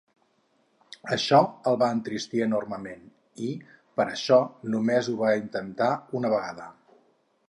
Això el va entristir enormement i, per això, només ho va intentar una vegada.